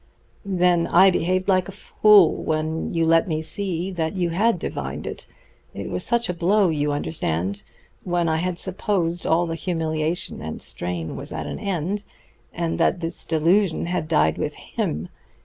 "Then I behaved like a fool when you let me see you had divined it; it was such a blow, you understand, when I had supposed all the humiliation and strain was at an end, and that his delusion had died with him.